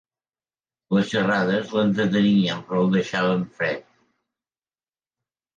Les xarades l'entretenien però el deixaven fred